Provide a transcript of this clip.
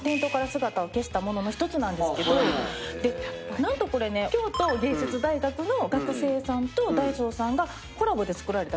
何とこれね京都芸術大学の学生さんとダイソーさんがコラボで作られた商品なんですって。